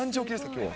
きょうは。